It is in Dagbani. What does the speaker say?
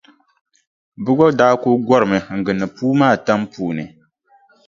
Bɛ gba daa kuli gɔrimi n-gindi puu maa tam puuni.